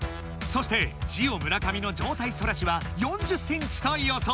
そしてジオ村上の上体反らしは４０センチと予想。